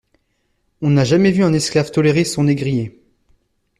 On n'a jamais vu un esclave tolérer son négrier.